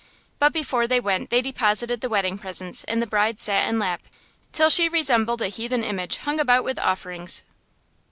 But before they went they deposited the wedding presents in the bride's satin lap, till she resembled a heathen image hung about with offerings.